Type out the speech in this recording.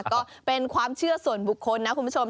ก็เป็นความเชื่อส่วนบุคคลนะคุณผู้ชม